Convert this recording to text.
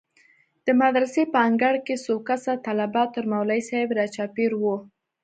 د مدرسې په انګړ کښې څو کسه طلبا تر مولوي صاحب راچاپېر وو.